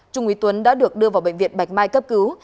trung úy tuấn đã được đưa vào bệnh viện bạch mai cấp cứu